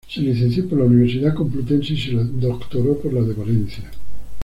Se licenció por la Universidad Complutense y se doctoró por la de Valencia.